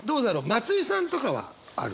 松居さんとかはある？